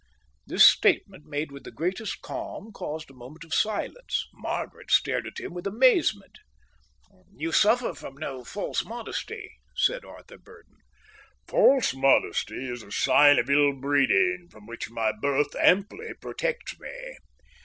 This statement, made with the greatest calm, caused a moment of silence. Margaret stared at him with amazement. "You suffer from no false modesty," said Arthur Burdon. "False modesty is a sign of ill breeding, from which my birth amply protects me."